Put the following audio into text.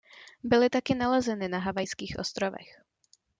Byly taky nalezeny na Havajských ostrovech.